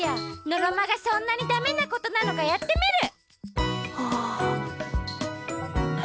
のろまがそんなにだめなことなのかやってみる！